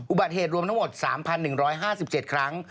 อุบัติเหตุรวมทั้งหมด๓๑๕๗ครั้ง